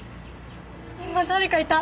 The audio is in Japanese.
今誰かいた。